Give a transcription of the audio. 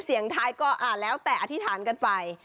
เสียงท้ายก็แล้วแต่อธิษฐานกันไป